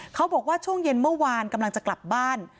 เขาบอกว่าช่วงเย็นเมื่อวานกำลังจะกลับบ้าน